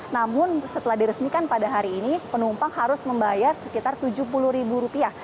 namun setelah diresmikan pada hari ini penumpang harus membayar sekitar tujuh puluh ribu rupiah